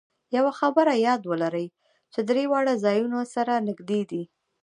یوه خبره یاد ولرئ چې درې واړه ځایونه سره نږدې دي.